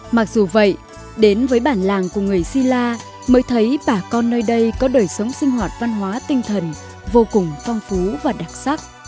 mặc dù vậy đến với bản làng của người si la mới thấy bà con nơi đây có đời sống sinh hoạt văn hóa tinh thần vô cùng phong phú và đặc sắc